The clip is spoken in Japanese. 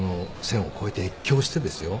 線を越えて越境してですよ。